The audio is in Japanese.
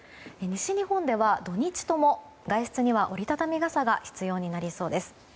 西日本では土日とも外出には折り畳み傘が必要になりそうです。